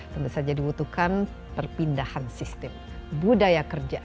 tentu saja dibutuhkan perpindahan sistem budaya kerja